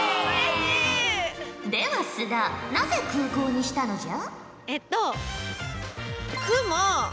では須田なぜ「くうこう」にしたのじゃ？